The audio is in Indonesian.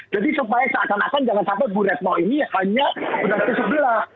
jadi supaya saat anak anak jangan sampai bu retno ini hanya berarti sebelah